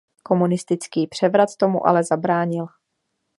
Komunistický převrat tomu ale zabránil.